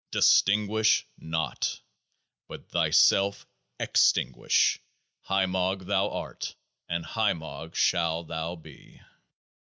Distinguish not ! But thyself Ex tinguish : HIMOG art thou, and HIMOG shalt thou be.